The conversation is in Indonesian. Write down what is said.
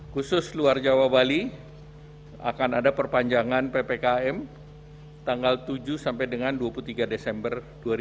khusus luar jawa bali akan ada perpanjangan ppkm tanggal tujuh sampai dengan dua puluh tiga desember dua ribu dua puluh